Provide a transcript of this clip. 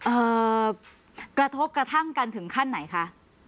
เอ่อกระทบกระทั่งกันถึงขั้นไหนคะ